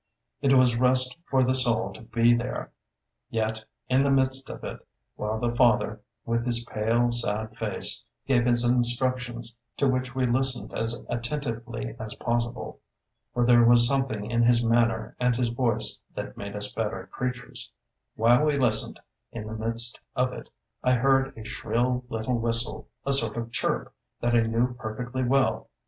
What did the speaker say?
It was rest for the soul to be there; yet, in the midst of it, while the Father, with his pale, sad face, gave his instructions, to which we listened as attentively as possible, for there was something in his manner and his voice that made us better creatures, while we listened, in the midst of it I heard a shrill little whistle, a sort of chirp, that I knew perfectly well.